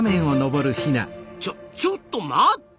ちょちょっと待った！